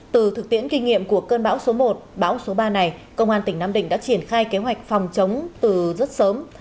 từ thực tiễn kinh nghiệm của cơn bão số một bão số ba này công an tỉnh nam định đã triển khai kế hoạch phòng chống từ rất sớm